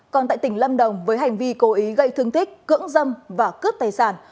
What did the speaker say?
còn tại tỉnh lâm đồng với hành vi cố ý gây thương tích cưỡng dâm và cướp tài sản